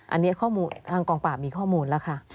อันนี้ข้อมูลทางกองปราบมีข้อมูลแล้วค่ะ